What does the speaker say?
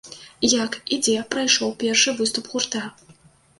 Як і дзе прайшоў першы выступ гурта?